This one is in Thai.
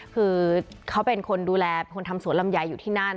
คือเค้าเป็นคนดูแลคนทำสวนลำใหญ่อยู่ที่นั้น